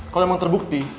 kalo emang terbukti